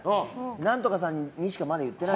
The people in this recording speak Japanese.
何とかさんにしかまだ言ってない。